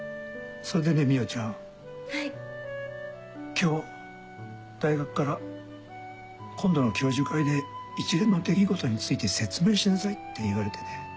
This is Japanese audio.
今日大学から今度の教授会で一連の出来事について説明しなさいって言われてね。